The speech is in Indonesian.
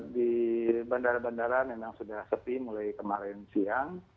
di bandara bandara memang sudah sepi mulai kemarin siang